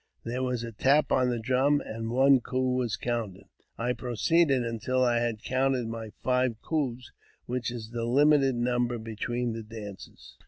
There was a tap on the drum, and one coo was counted. I proceeded until I had counted my five coos, which is the limited number between the dances.